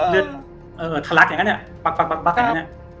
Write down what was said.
เลือดทะลักอย่างนั้นเนี่ยปักอย่างนั้นเนี่ย